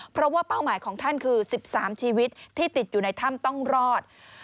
เพราะว่าเป้าหมายของท่านคือ๑๓ชีวิตที่ติดอยู่ในถ้ำต้องรอด